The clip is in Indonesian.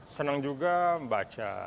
senang juga membaca